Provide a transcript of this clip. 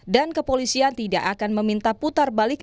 dan kepolisian tidak akan meminta putar balik